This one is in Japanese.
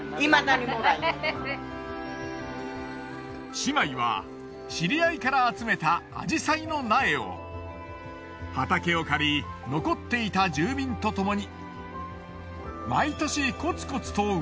姉妹は知り合いから集めたアジサイの苗を畑を借り残っていた住民とともに。